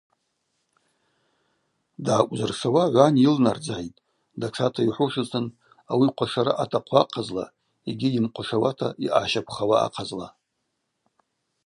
Дгӏакӏвзыршауа гӏван йылнардзгӏитӏ, датшата йухӏвушызтын ауи хъвашара ъатахъу ахъазла йгьи йымхъвашауата йъагӏащаквхауа ахъазла.